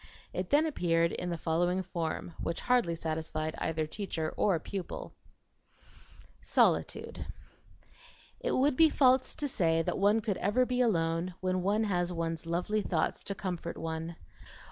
It then appeared in the following form, which hardly satisfied either teacher or pupil: SOLITUDE It would be false to say that one could ever be alone when one has one's lovely thoughts to comfort one.